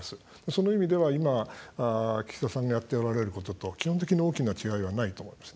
その意味では、今岸田さんがやっておられることと基本的に大きな違いはないと思います。